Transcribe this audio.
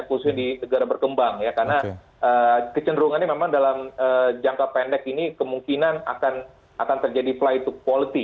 khususnya di negara berkembang ya karena kecenderungannya memang dalam jangka pendek ini kemungkinan akan terjadi fly to quality